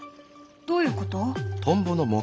どういうこと？